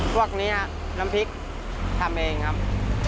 พวกนี้น้ำพริกทำเองครับ